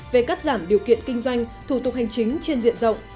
về cắt giảm điều kiện kinh doanh thủ tục hành chính trên diện rộng